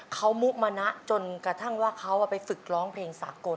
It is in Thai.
เขามุมานะจนกระทั่งว่าเขาไปฝึกร้องเพลงสากล